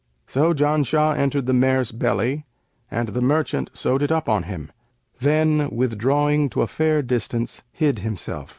So Janshah entered the mare's belly and the merchant sewed it up on him; then, withdrawing to a fair distance, hid himself.